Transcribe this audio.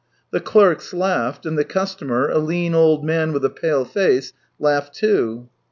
The clerks laughed, and the customer, a lean old man with a pale face, laughed too.